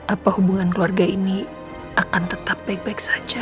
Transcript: apa hubungan keluarga ini akan tetap baik baik saja